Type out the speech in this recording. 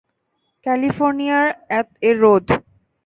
California এর রোদ।